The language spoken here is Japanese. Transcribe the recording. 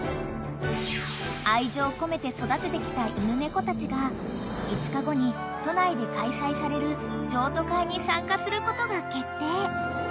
［愛情込めて育ててきた犬猫たちが５日後に都内で開催される譲渡会に参加することが決定］